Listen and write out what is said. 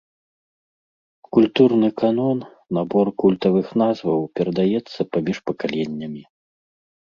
Культурны канон, набор культавых назваў перадаецца паміж пакаленнямі.